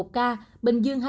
một ca bình dương